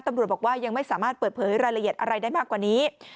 ตำรวจบอกว่ายังไม่สามารถเปิดเผยรายละเอียดอะไรได้มากกว่านี้